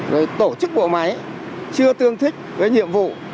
rồi tổ chức bộ máy chưa tương thích với nhiệm vụ